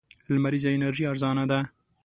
لمريزه انرژي ارزانه ده.